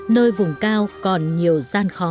nơi vùng cao còn nhiều gian khó